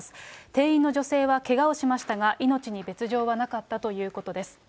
店員の女性はけがをしましたが、命に別状はなかったということです。